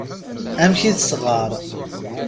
Amek i tesɣar.